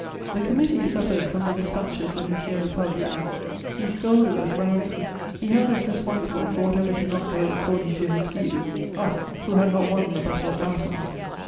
The committee suffered from the dispatches of M. Fabvier; he scolded us roundly; he held us responsible for whatever did not go according to his views, us, who had not won the Battle of Marathon.